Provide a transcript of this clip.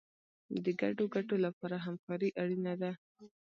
د ګډو ګټو لپاره همکاري اړینه ده.